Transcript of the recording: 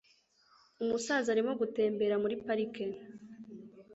Umusaza arimo gutembera muri parike.